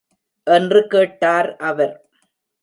என்று கேட்டார் அவர்.